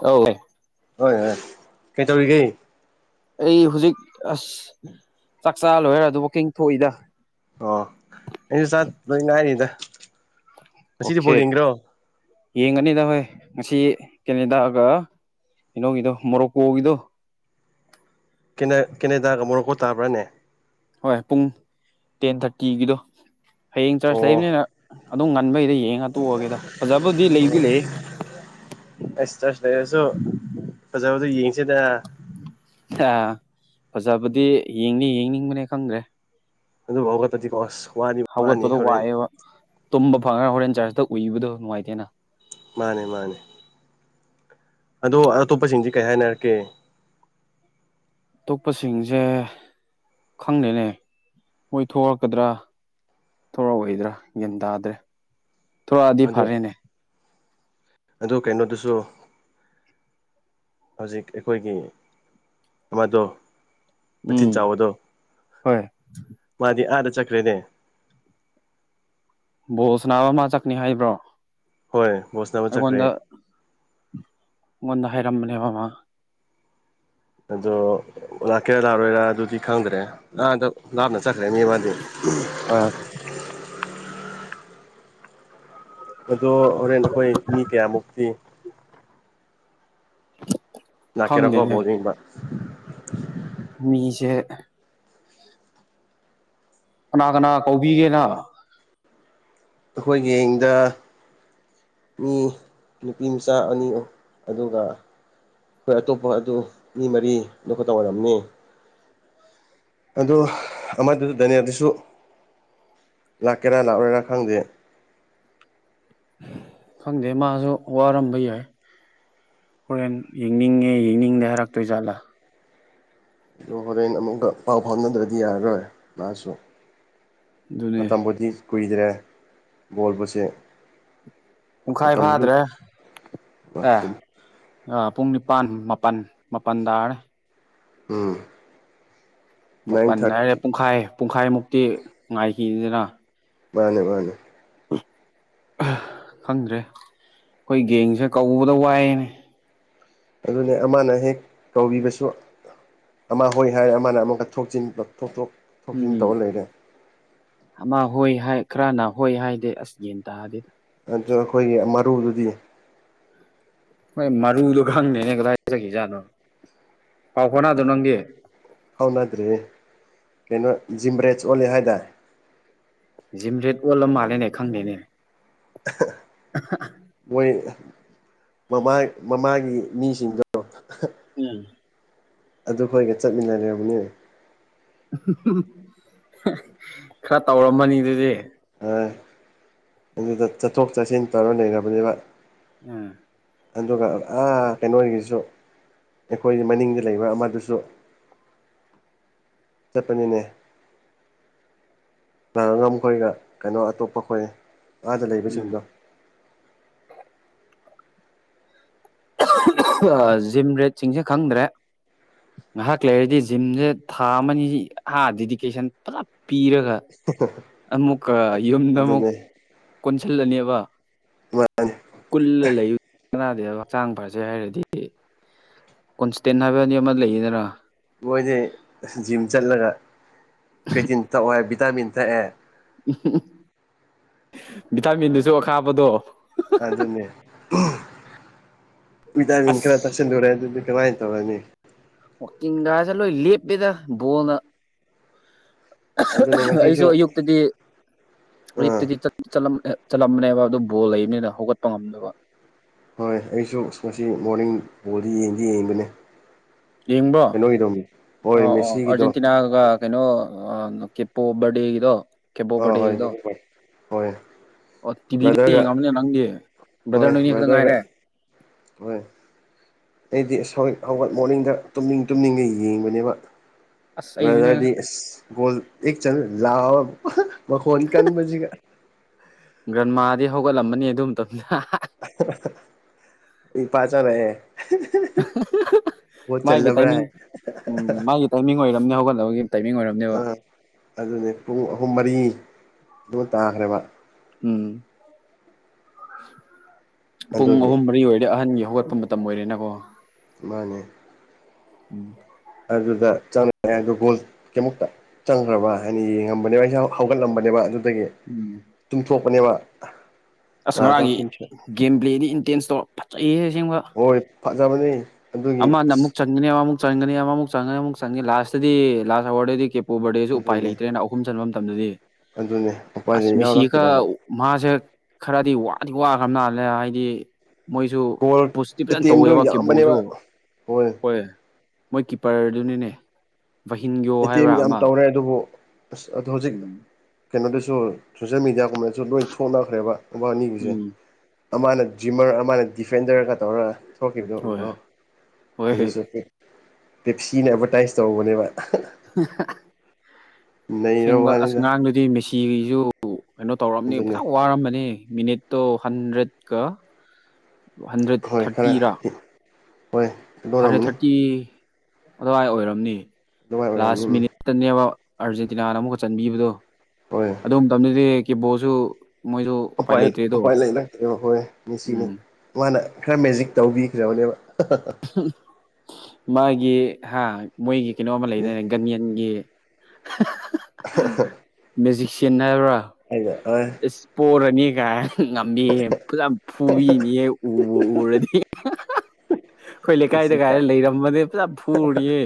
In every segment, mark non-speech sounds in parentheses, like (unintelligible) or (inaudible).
ꯑ (unintelligible) ꯍꯣꯏ ꯍꯣꯏ ꯀꯩ ꯇꯧꯔꯤꯒꯦ ꯑꯩ ꯍꯧꯖꯤꯛ ꯑꯁ ꯆꯥꯛ ꯆꯥ ꯂꯣꯏꯔ‌ꯦ ꯑꯗꯨꯝ ꯋꯥꯛꯀꯤꯡ ꯊꯣꯛꯏꯗ ꯑꯣ ꯑꯩꯁꯨ ꯆꯠ ꯂꯣꯏ ꯂ ꯍꯥꯏꯔꯤꯗ (unintelligible) ꯑꯣꯀꯦ ꯌꯦꯡꯒꯅꯤꯗ ꯍꯣꯏ ꯉꯁꯤ ꯀꯦꯅꯦꯗꯥꯒ ꯀꯩꯅꯣꯒꯤꯗꯣ ꯃꯣꯔꯣꯛꯀꯣꯒꯤꯗꯣ ꯀ‌ꯦꯅꯦ ꯀ‌ꯦꯅꯦꯗꯒ ꯃꯣꯔꯛꯀꯣ ꯇꯥꯕꯔꯅꯦ ꯍꯣꯏ ꯄꯨꯡ ꯇꯦꯟ ꯊꯥꯔꯇꯤꯒꯤꯗꯣ ꯍꯌꯦꯡ ꯆꯥꯔꯖ ꯑꯣ ꯂꯩꯕꯅꯤꯅ ꯑꯗꯨꯝ ꯉꯟꯕꯩꯗꯥ ꯌ‌ꯦꯡ ꯌꯦꯡꯑꯥ ꯇꯣꯛꯑꯒꯦꯗ ꯐꯖꯕꯨꯗꯤ ꯂꯩꯗꯤ ꯂꯩꯌ‌ꯦ ꯑꯁ ꯆꯔꯖ ꯂꯩꯔꯁꯨ ꯐꯖꯥꯕꯗꯨ ꯌꯦꯡ ꯑꯥ ꯐꯖꯕꯗꯤ ꯌꯦꯡꯅꯤ ꯌꯦꯡꯅꯤꯡꯕꯅꯦ ꯈꯪꯗ꯭ꯔꯦ ꯑꯗꯨ ꯍꯧꯎꯒꯠ ꯄꯗꯤ ꯀꯣ ꯑꯁ ꯋꯥꯗꯤ ꯋꯥꯅꯤ ꯍꯧꯒꯠꯄꯗꯣ ꯍꯣꯔꯦꯟ ꯋꯥꯏꯑꯦꯕ ꯇꯨꯝꯕ ꯐꯪꯉꯒ ꯍꯣꯔꯦꯟ ꯆꯥꯔꯖꯇ ꯎꯏꯕꯗꯣ ꯅꯨꯡꯉꯥꯏꯇꯦꯅ ꯃꯥꯅꯦ ꯃꯥꯅꯦ ꯑꯗꯣ ꯑꯇꯣꯞꯄꯁꯤꯡꯗꯤ ꯀꯔꯤ ꯍꯥꯏꯅꯔꯛꯀꯦ ꯑꯇꯣꯞꯄꯁꯤꯡꯁꯦ ꯈꯪꯗ‌ꯦꯅꯦ ꯃꯣꯏ ꯊꯣꯛꯂꯛꯀꯗ꯭ꯔꯥ ꯊꯣꯔꯛꯑꯣꯏꯗ꯭ꯔꯥ ꯒ‌ꯦꯟ ꯇꯥꯗ꯭ꯔꯦ ꯊꯣꯔꯛꯑꯗꯤ ꯐꯔꯦꯅꯦ ꯑꯗꯨ ꯀꯩꯅꯣꯗꯨꯁꯨ ꯍꯧꯖꯤꯛ ꯑꯩꯈꯣꯏꯒꯤ ꯑꯃꯗꯣ ꯃꯆꯤꯟ ꯎꯝ ꯆꯥꯎꯕꯗꯣ ꯍꯣꯏ ꯃꯥꯗꯤ ꯑꯥꯗ ꯆꯠꯈ꯭ꯔ‌ꯦꯅ‌ꯦ ꯕꯣꯜ ꯁꯅꯥꯕ ꯃꯥ ꯆꯠꯀꯅꯤ ꯍꯥꯏꯕ꯭ꯔꯣ ꯍꯣꯏ ꯕꯣꯜ ꯁꯅꯕ ꯆꯠꯈ꯭ꯔꯦ ꯑꯩꯉꫭꯟꯗ ꯍꯥꯏꯔꯝꯕꯅꯦꯕ ꯃꯥ ꯑꯗꯣ ꯂꯥꯛꯀꯦꯔꯥ ꯂꯥꯛꯔꯣꯏꯔꯥ ꯑꯗꯨꯗꯤ ꯈꯪꯗ꯭ꯔꯦ ꯑꯍꯗꯛ ꯂꯥꯞꯅ ꯆꯠꯈ꯭ꯔꯦꯅꯤ ꯃꯥꯗꯤ ꯑꯥ ꯑꯗꯣ ꯍꯣꯔꯦꯟ ꯑꯩꯈꯣꯏ ꯃꯤ ꯀꯌꯥꯃꯨꯛꯇꯤ (inaudible) ꯉꯅꯥ ꯈꯪꯗꯦꯅꯦ ꯀꯔꯀꯣꯕꯗ ꯏꯕ (unintelligible) ꯃꯤꯁꯦ ꯀꯅꯥ ꯀꯅꯥ ꯀꯧꯕꯤꯒꯦ ꯅꯪ ꯑꯩꯈꯣꯏ ꯒ‌ꯦꯡꯗ ꯃꯤ ꯅꯨꯄꯤ ꯃꯆꯥ ꯑꯅꯤ ꯑꯗꯨꯒ ꯍꯣꯏ ꯑꯇꯣꯞꯄ ꯑꯗꯨ ꯃꯤ ꯃꯔꯤꯗꯨ ꯈꯛꯇ ꯑꯣꯏꯔꯝꯅꯤ ꯑ ꯑꯃꯗꯨꯗ ꯗꯥꯅꯤꯌꯥꯗꯨꯁꯨ ꯂꯥꯛꯀꯦꯔꯥ ꯂꯥꯛꯎꯔꯦꯔꯥ ꯈꯪꯗꯦ ꯈꯪꯗꯦ ꯃꯥꯁꯨ ꯋꯥꯔꯝꯕ ꯌꯥꯏ ꯍꯣꯔꯦꯟ ꯌꯦꯡꯅꯤꯡꯉꯦ ꯌꯦꯡꯅꯤꯡꯗ ꯍꯥꯏꯔꯛꯇꯣꯏ ꯖꯥꯠꯂꯥ ꯑ ꯍꯣꯔꯦꯟ ꯑꯃꯨꯛꯀ ꯄꯥꯎ ꯐꯥꯎꯅꯗ꯭ꯔꯗꯤ ꯌꯥꯔꯔꯣꯏ ꯃꯥꯁꯨ ꯑꯗꯨꯅꯦ ꯃꯇꯝꯕꯨꯗꯤ ꯀꯨꯏꯗ꯭ꯔꯦ ꯕꯣꯜꯕꯁꯦ ꯄꯨꯡꯈꯥꯏ ꯐꯥꯗ꯭ꯔꯦ ꯑꯦ ꯑ ꯄꯨꯡ ꯅꯤꯄꯥꯥꯟ ꯃꯥꯄꯜ ꯃꯥꯄꯜ ꯇꯔ ꯎꯝ ꯅꯥꯏꯟ ꯃꯥꯄꯜ ꯍꯥꯏꯔꯦ ꯊꯥꯔꯇꯤ ꯄꯨꯡꯈꯥꯏ ꯄꯨꯡꯈꯥꯏꯃꯨꯛꯇꯤ ꯉꯥꯏꯈꯤꯗꯅ ꯃꯥꯅꯦ ꯃꯥꯅꯤ ꯈꯪꯗ꯭ꯔꯦ ꯑꯩꯈꯣꯏ ꯒꯦꯡꯁꯦ ꯀꯧꯕꯗ ꯋꯥꯏꯅꯦ ꯑꯗꯨꯅꯦ ꯑꯃꯅ ꯍꯦꯛ ꯀꯧꯕꯤꯕꯁꯨ ꯑꯃ ꯍꯣꯏ ꯍꯥꯏ ꯑꯃꯅ ꯑꯃꯨꯛꯀ ꯊꯣꯛꯆꯤꯟ ꯊꯣꯛꯣꯛ ꯎꯝ ꯑꯃ ꯍꯣꯏ ꯍꯥꯏ ꯈꯔꯅꯍꯣꯏ ꯍꯥꯏꯗꯤꯦ ꯑꯁ ꯌꯦꯟ ꯇꯥꯗꯤ ꯑꯗꯨ ꯑꯩꯈꯣꯏꯒꯤ ꯃꯔꯨꯗꯨꯗꯤ ꯍꯣꯏ ꯃꯔꯨꯗꯣ ꯈꯪꯅꯦꯅꯦ ꯀꯗꯥꯏꯖꯈꯤꯖꯥꯠꯅꯣ ꯄꯥꯎ ꯐꯅꯥꯗꯣ ꯅꯪꯒꯤ ꯐꯥꯎꯅꯗ꯭ꯔꯤ ꯀꯩꯅꯣ ꯖꯤꯝꯕ꯭ꯔꯦꯖ ꯑꯣꯂꯦ ꯍꯥꯏꯗ ꯖꯤꯝ ꯔꯦꯠ ꯋꯥꯜ ꯑꯃ ꯃꯥꯜꯂꯦꯅꯦ ꯈꯪꯗꯦꯅꯦ ꯃꯣꯏ ꯃꯃꯥ ꯃꯃꯥꯒꯤ ꯃꯤꯁꯤꯡꯗ ꯎꯝ ꯑꯗꯨ ꯑꯩꯈꯣꯏꯒ ꯆꯠꯃꯤꯟꯅꯔꯕꯅꯦ ꯈꯔ ꯇꯧꯔꯝꯃꯅꯤ ꯑꯗꯨꯗꯤ ꯑ ꯑꯗꯨꯗ ꯆꯠꯊꯣꯛ ꯆꯠꯁꯤꯟ ꯇꯧꯔ ꯂꯩꯅꯕꯅꯦꯕ ꯎꯝ ꯑꯗꯨꯒ ꯑꯥ ꯀꯩꯅꯣꯒꯤꯁꯨ ꯑꯩꯈꯣꯏꯒꯤ ꯃꯅꯤꯡꯗ ꯂꯩꯕ ꯑꯃꯗꯨꯁꯨ ꯆꯠꯄꯅꯤꯅꯦ ꯂ ꯉꯝꯈꯣꯏꯒ ꯀꯩꯅꯣ ꯑꯇꯣꯞꯄ ꯑꯩꯈꯣꯏ ꯑꯥꯗ ꯎꯝ ꯂꯩꯕꯁꯤꯡꯗꯣ ꯖꯤꯝ ꯔꯦꯠꯁꯤꯡꯁꯦ ꯈꯪꯗ꯭ꯔꯦ ꯉꯥꯏꯍꯥꯛ ꯂꯩꯔꯗꯤ ꯖꯤꯝꯁꯦ ꯊꯥ ꯑꯃꯅꯤ ꯑꯥ ꯗꯦꯗꯤꯀꯦꯁꯟ ꯐꯖꯞ ꯄꯤꯔꯒ ꯑꯃꯨꯛꯀ ꯌꯨꯝꯗ ꯑꯃꯨꯛ ꯑꯗꯨꯅꯦ ꯀꯣꯟꯁꯤꯜꯂꯅꯦꯕ ꯀꯨꯜ ꯂꯩꯌ ꯀꯅꯥꯗ ꯍꯛꯆꯥꯡ ꯐꯁꯦ ꯍꯥꯏꯔꯗꯤ ꯀꯣꯟꯁꯇꯦꯟ ꯍꯥꯏꯕꯅꯤ ꯑꯃ ꯂꯩꯌꯦꯗꯅ ꯃꯣꯏꯗꯤ ꯖꯤꯝ ꯆꯠꯂꯒ ꯀꯦꯇꯤꯟ ꯊꯛꯑꯦ ꯚꯤꯇꯥꯃꯤꯟ ꯊꯛꯑꯦ ꯎ ꯚꯤꯇꯥꯃꯤꯟꯗꯨꯁꯨ ꯑꯈꯥꯕꯗꯣ ꯑꯗꯨꯅꯦ ꯄꯤꯗꯥꯤꯟꯀꯔ ꯑꯁ ꯇꯁꯔ ꯀꯉꯥꯏ ꯇꯧꯅꯤ ꯀꯋꯥꯛꯀꯤꯤꯡꯒꯁꯦ ꯂꯣꯏ ꯂꯦꯞꯄꯦꯗ ꯕꯣꯜꯅ ꯑꯗꯨꯅꯦ ꯑꯩꯁꯨ ꯉꯁꯤꯁꯨ ꯑꯌꯨꯛꯇꯗꯤ ꯑꯥ ꯑꯌꯨꯛꯇꯗꯤ ꯆꯠꯂꯝ ꯆꯠꯂꯝꯕꯅꯦꯕ ꯑꯗꯨ ꯕꯣꯜ ꯂꯩꯕꯅꯤꯅ ꯍꯧꯒꯠꯄ ꯉꯝꯗꯕ ꯍꯣꯏ ꯑꯩꯁꯨ ꯉ ꯃꯣꯔꯅꯤꯡ ꯄꯨꯗꯤ ꯌꯦꯡꯗꯤ ꯌꯦꯡꯕꯅꯦ ꯌꯦꯡꯕꯣ ꯀꯩꯅꯣꯒꯤꯗꯣ ꯍꯣꯏ ꯑꯣ ꯑꯣ ꯃꯦꯁꯤꯒꯤꯗꯣ ꯑꯥꯔꯖꯦꯟꯇꯤꯅꯥꯒ ꯀꯩꯅꯣ ꯑ ꯀꯦꯞꯨ ꯍꯕ ꯏꯗꯣ ꯑꯥ ꯍꯣꯏ ꯀꯦꯕꯣꯕꯇꯦꯗꯣ ꯍꯣꯏ ꯑꯣ ꯇꯤꯕꯤꯗꯤ ꯕ꯭ꯔꯗꯔꯒ ꯌꯦꯡꯉꯕꯅꯦ ꯅꯪꯒꯤ ꯍꯣꯏ ꯕ꯭ꯔꯗꯔꯒ ꯍꯣꯏ ꯑꯩꯗꯤ ꯑꯁ ꯍꯧꯒꯠ ꯃꯣꯔꯅꯤꯡꯗ ꯇꯨꯝꯅꯤꯡ ꯇꯨꯝꯅꯤꯡꯒ ꯌꯦꯡꯕꯅꯦꯕ ꯑꯁ ꯑꯩꯁꯨꯅꯦ ꯕ꯭ꯔꯗꯔꯗꯤ ꯑꯁ ꯒꯣꯜ ꯑꯦ ꯆ ꯂꯥꯎꯑꯣ ꯃꯈ ꯐꯣꯟ ꯀꯟꯖꯤꯒ ꯒ꯭ꯔꯟꯃꯥꯗꯤ ꯍꯧꯒꯠꯂꯝꯕꯅꯤ ꯑꯗꯨꯝꯇ ꯏ ꯄꯥꯆꯅ ꯃꯥꯒꯤ ꯆꯜꯂꯕ꯭ꯔꯥ ꯇꯥꯏꯃꯤꯡ ꯍꯥꯏ ꯎꯝ ꯃꯥꯒꯤ ꯇꯥꯏꯃꯤꯡ ꯑꯣꯏꯔꯝꯅꯤ ꯍꯧꯒꯠꯅꯕꯒꯤ ꯇꯥꯏꯃꯤꯡ ꯑꯣꯏꯔꯝꯅꯦꯕ ꯑꯥ ꯑꯗꯨꯅꯦ ꯄꯨꯡ ꯑꯍꯨꯝ ꯃꯔꯤ ꯑꯗꯨ ꯇꯥꯈ꯭ꯔꯦꯕ ꯎꯝ ꯄꯨꯡ ꯑꯗꯨꯒꯤ ꯑꯍꯨꯝ ꯃꯔꯤ ꯑꯣꯏꯔꯦ ꯑꯍꯟꯒꯤ ꯍꯧꯒꯠꯄ ꯃꯇꯝ ꯑꯣꯏꯔꯦꯅꯀꯣ ꯃꯥꯅꯦ ꯎꯝ ꯑꯗꯨꯗ ꯆꯪꯉꯛꯦ ꯑꯗ ꯒꯣꯜ ꯀꯩꯃꯨꯛꯇ ꯆꯪꯈ꯭ꯔꯕ ꯍꯥꯏꯅ ꯌꯦꯡꯉꯝꯕꯅꯦꯕ ꯑꯩꯥ ꯍꯧꯒꯠꯂꯝꯕꯅꯦꯕ ꯑꯗꯨ ꯑꯗꯒꯤ ꯎꯝ ꯇꯨꯝꯊꯣꯛꯄꯅꯦꯕ ꯑꯁ ꯉꯥꯏꯍꯥꯛꯇꯪ ꯉꯔꯥꯡꯒꯤ ꯇꯨꯝꯊꯣꯛ ꯒꯦꯝ ꯄ꯭ꯂꯦꯅꯤ ꯏꯟꯇꯦꯟꯁꯇꯣ ꯑꯦ ꯑꯣ ꯐꯖꯕꯅꯤ ꯑꯗꯨꯒꯤ ꯑꯃꯅ ꯑꯁ ꯑꯃꯨꯛ ꯆꯪꯒꯅꯤ ꯑꯃꯃꯨꯛ ꯆꯪꯒꯅꯤ ꯑꯃꯃꯨꯛ ꯆꯪꯒꯅꯤ ꯑꯃꯨꯛ ꯆꯪꯅꯤ ꯂꯥꯁꯇꯗꯤ ꯂꯥꯁ ꯑꯋꯥꯔꯗꯗꯤ ꯑꯣꯣꯕꯔꯗꯦꯁꯨ ꯎꯄꯥꯏ ꯑꯗꯨꯅꯦ ꯂꯩꯇ꯭ꯔꯦꯅ ꯑꯍꯨꯝ ꯆꯟꯕ ꯃꯇꯝꯗꯗꯤ ꯑꯗꯨꯅꯦ ꯑꯁ ꯎꯄꯥꯏꯗꯤ ꯃꯤꯁꯤ ꯀ ꯌꯥꯎꯔꯛꯇ꯭ꯔꯦꯕ ꯃꯍꯥꯛꯁꯦ ꯈꯔꯗꯤ ꯋꯥꯗꯤ ꯋꯥꯈ꯭ꯔꯕ ꯅꯥꯜꯂꯦ ꯍꯥꯏꯗꯤ ꯃꯣꯏꯁꯨ ꯒꯣꯜ ꯄꯨꯁꯇꯤ ꯐꯖꯅ ꯑꯦꯇꯦꯝꯗꯨ ꯇꯧꯋꯦꯕ ꯀꯦꯕꯣꯁꯨ ꯌꯥꯝꯕꯅꯦꯕ ꯍꯣꯏ ꯃꯣꯏ ꯀꯤꯄꯔꯗꯨꯅꯤꯅꯦ ꯚꯍꯤꯟꯒꯣ ꯑꯦꯇꯦꯝ ꯍꯥꯏꯕ꯭ꯔꯥ ꯌꯥꯝ ꯑꯃ ꯇꯧꯔꯦ ꯑꯗꯨꯕꯨ ꯑꯁ ꯑꯗꯣ ꯍꯧꯖꯤꯛ ꯎꯝ ꯀꯩꯅꯣꯗꯁꯨ ꯁꯣꯁꯦꯜ ꯃꯦꯗꯤꯌꯥꯒꯨꯝꯕꯦꯟꯁꯨ ꯂꯣꯏ ꯊꯣꯛꯅꯈ꯭ꯔꯦꯕ ꯕꯥ ꯑꯅꯤꯒꯤꯁꯦ ꯎꯝ ꯑꯃꯅ ꯖꯤꯝꯃꯔ ꯑꯃꯅ ꯗꯤꯐꯦꯟꯗꯔꯒ ꯇꯧꯔꯒ ꯁꯣꯀꯦꯠꯗꯣ ꯍꯣꯏ ꯎꯕ꯭ꯔꯣ ꯍꯣꯏ ꯍꯣꯏ ꯑꯗꯨꯁꯨ ꯄꯤꯞꯁꯤꯅ ꯑꯦꯚꯔꯇꯥꯏꯁ ꯇꯧꯕꯅꯦꯕ ꯅꯩꯔ ꯁꯦꯡꯕ ꯋꯥꯅꯤꯗ ꯑꯁꯉꯥꯡꯗꯨꯗꯤ ꯃꯦꯁꯤ ꯇꯤꯕꯤꯁꯨ ꯀꯩꯅꯣ ꯇꯧꯔꯑꯝꯅꯤ ꯑꯗꯨꯅꯦ ꯐꯖ ꯋꯥꯔꯃꯅꯤ ꯃꯤꯅꯤꯠꯇꯣ ꯍꯟꯗ꯭ꯔꯦꯠꯀ ꯍꯟꯗ꯭ꯔꯦꯠ ꯍꯣꯏ ꯈꯔ ꯊꯥꯔꯇꯤꯔꯥ ꯍꯣꯏ ꯍꯟꯗ꯭ꯔꯦꯠ ꯂꯣꯏꯔꯝꯃꯅꯤ ꯊꯥꯔꯇꯤ ꯑꯗꯨꯋꯥꯏ ꯑꯣꯏꯔꯝꯅꯤ ꯑꯗꯨꯃꯥꯏ ꯑꯣꯏꯔꯝꯅꯤ ꯂꯥꯁ ꯎꯝ ꯃꯤꯅꯤꯠꯇꯅꯦꯕ ꯑꯥꯔꯖꯦꯟꯇꯤꯅꯥꯅ ꯑꯃꯨꯛꯀ ꯆꯟꯕꯤꯕꯗꯣ ꯍꯣꯏ ꯑꯗꯨ ꯃꯇꯝꯗꯗꯤ ꯀꯦꯕꯣꯁꯨ ꯎꯄꯥꯏ ꯂꯩꯔꯛꯇꯦꯕ ꯍꯣꯏ ꯃꯤꯁꯤꯅ ꯎꯝ ꯃꯥꯅ ꯈꯔ ꯃꯦꯖꯤꯛ ꯇꯧꯕꯤꯈ꯭ꯔꯕꯅꯦꯕ ꯃꯥꯒꯤ ꯍꯥ ꯃꯣꯏꯒꯤ ꯀꯩꯅꯣꯃ ꯂꯩꯗꯅꯦ ꯒꯟꯌꯥꯟꯒꯤ ꯃꯦꯖꯤꯁꯤꯌꯥꯟ ꯍꯥꯏꯕ꯭ꯔꯥ ꯍꯥꯏꯗ ꯏꯁ ꯄꯔꯅꯤ ꯀ ꯉꯝꯃꯦꯌꯦꯦ ꯐꯖꯅ ꯐꯨꯕꯤꯅꯤꯍꯦ ꯎ ꯎꯔꯗꯤ ꯑꯩꯈꯣꯏ ꯂꯩꯀꯥꯏꯗ ꯃꯦꯁꯤ ꯀꯥ ꯀꯥꯏꯔ ꯂꯩꯔꯝꯕꯅꯦ ꯄꯨꯖꯥ ꯐꯨꯔꯤꯌꯦ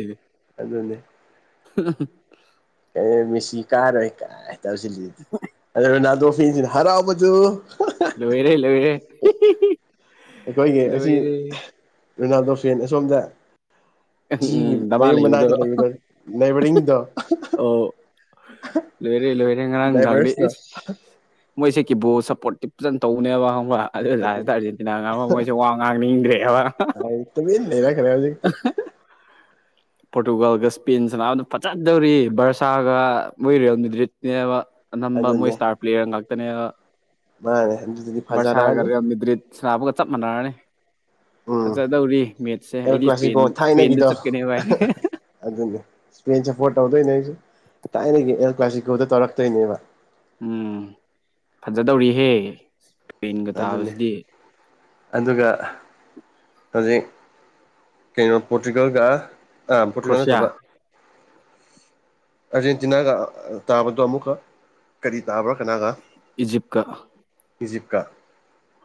ꯑꯗꯨꯅꯦ (unintelligible) ꯃꯤꯁꯤ ꯀꯥꯔꯣꯏ ꯀꯥꯏ ꯍꯔꯥꯎꯕꯖꯣ ꯂꯣꯏꯔꯦ ꯂꯣꯏꯔꯦ ꯑꯩꯈꯣꯏꯒꯤ ꯑꯁꯤ ꯂꯣꯏꯔꯦ ꯔꯣꯅꯥꯜꯗꯣ ꯐꯦꯟ ꯁꯣꯝꯗ ꯎꯝ ꯗꯃꯥ ꯂꯩꯕꯗꯣ ꯅꯥꯏꯕꯔꯤꯡꯗꯣ ꯑꯣ ꯂꯣꯏꯔꯦ ꯂꯣꯏꯔꯦ ꯉꯔꯥꯡꯅꯨꯡ ꯊꯥꯡꯗꯦ ꯅꯥꯏꯕꯔꯁꯇꯣ ꯃꯣꯏꯁꯦ ꯀꯤꯕꯣꯠ ꯁꯞꯄꯣꯔꯠꯇꯤ ꯐꯖꯅ ꯇꯧꯅꯦꯕ ꯈꯪꯕ꯭ꯔꯥ ꯑꯗꯨ ꯂꯁꯤꯗ ꯑꯥꯔꯖꯦꯟꯇꯤꯅꯥ ꯉꯥꯡꯕ ꯃꯣꯏꯁꯦ ꯋꯥ ꯉꯥꯡꯅꯤꯡꯗ꯭ꯔꯦꯕ ꯇꯨꯃꯤꯟ ꯂꯩꯔꯛꯈ꯭ꯔꯦ ꯍꯧꯖꯤꯛꯇꯤ (unintelligible) ꯄꯣꯔꯇꯨꯒꯥꯜꯒ ꯏꯁꯄꯦꯟ ꯁꯅꯕꯗ ꯐꯖꯗꯧꯔꯤ ꯕꯔꯁꯥꯒ ꯃꯣꯏ ꯔꯤꯌꯦꯜ ꯃꯦꯗ꯭ꯔꯤꯠꯅꯦꯕ ꯑꯅꯝꯕ ꯃꯣꯏ ꯑꯗꯨꯅꯦ ꯏꯁꯇꯥꯔ ꯄ꯭ꯂꯦꯌꯔ ꯉꯥꯛꯇꯅꯦ ꯃꯥꯅꯦ ꯑꯗꯨꯗꯤ ꯕꯁꯥ ꯐꯖꯔꯛꯑꯅꯤ ꯀꯔꯦ ꯃꯗ꯭ꯔ ꯁ꯭ꯔꯥꯕ ꯆꯞ ꯃꯥꯟꯅꯔꯅꯤ ꯎꯝ ꯐꯖꯗꯧꯔꯤ ꯃꯦꯠꯁꯦ ꯑꯩꯗꯤ ꯏꯁꯄꯦꯟ ꯑꯩꯅꯒꯤꯗꯣ ꯑꯗꯨꯅꯤ ꯏꯁꯄꯦꯟꯁꯦ ꯐꯣ ꯇꯧꯗꯁꯨ ꯊꯥꯏꯅꯒꯤ ꯑꯦꯜ ꯀ꯭ꯂꯥꯁꯤꯀꯣꯜꯗ ꯇꯧꯔꯛꯇꯣꯏꯅꯦꯕ ꯎꯝ ꯐꯖꯗꯧꯔꯤꯍꯦ ꯇ꯭ꯔꯦꯟꯒ ꯑꯗꯨꯅꯤ ꯇꯥꯕꯁꯤꯗꯤ ꯑꯗꯨꯒ ꯍꯧꯖꯤꯛ ꯀꯩꯅꯣ ꯄꯣꯇꯤꯀꯦꯜꯒ ꯑ ꯄꯨꯇꯀꯗ ꯀ꯭ꯔꯣꯁꯤꯌꯥ ꯆꯕ ꯑꯥꯔꯖꯦꯟꯇꯤꯅꯥꯒ ꯇꯥꯕꯗꯣ ꯑꯃꯨꯛꯀ ꯀꯔꯤ ꯇꯥꯕ꯭ꯔꯥ ꯀꯅꯥꯒ ꯏꯖꯤꯞꯀ ꯏꯖꯤꯞꯀ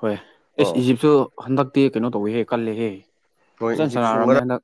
ꯍꯣꯏ ꯑꯦꯁ ꯑꯣ ꯏꯖꯤꯞꯁꯨ ꯍꯟꯗꯛꯇꯤ ꯀꯩꯅꯣ ꯇꯧꯋꯤꯍꯦ ꯀꯜꯂꯦꯍꯦ ꯍꯣꯏ ꯐꯖꯅ ꯏꯖꯤꯞꯁꯨ ꯉꯔꯥꯡ ꯁꯥꯟꯅꯔꯕꯅꯦ ꯍꯟꯗꯛ